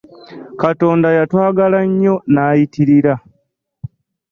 Katonda yatwagala nnyo nayitirira!